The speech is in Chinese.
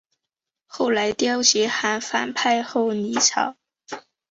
后来刁吉罕反叛后黎朝。